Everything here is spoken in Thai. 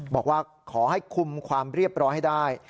บอกว่าขอให้คุมความเรียบร้อยให้ได้